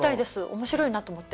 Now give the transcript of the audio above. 面白いなと思って。